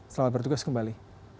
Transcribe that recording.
selamat bertugas kembali